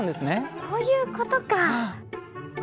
そういうことか！